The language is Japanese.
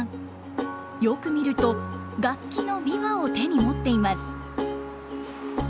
よく見ると楽器の琵琶を手に持っています。